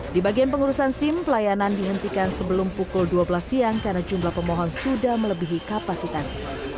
di bagian pengurusan sim pelayanan dihentikan sebelum pukul dua belas siang karena jumlah pemohon sudah melebihi kapasitas